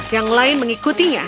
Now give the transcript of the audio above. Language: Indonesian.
yang lain mengikutinya